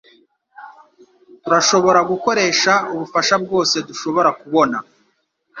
Turashobora gukoresha ubufasha bwose dushobora kubona